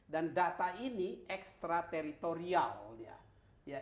dan data ini extra territorial ya